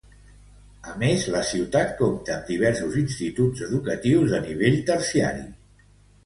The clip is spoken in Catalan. A més, la ciutat compta amb diversos instituts educatius de nivell terciari.